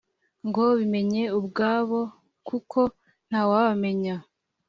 . Ngo bimenye ubwabo kuko ntawabamenya